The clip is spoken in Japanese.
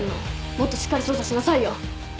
もっとしっかり捜査しなさいよ！